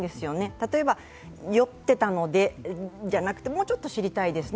例えば酔っていたので、じゃなくてもうちょっと知りたいですね。